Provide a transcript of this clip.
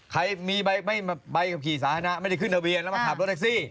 ใครมีใบขับขี่สาธารณะไม่ได้ขึ้นทะเบียนแล้วมาขับรถแท็กซี่